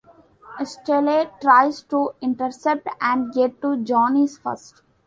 Estelle tries to intercept and get to johnny's first.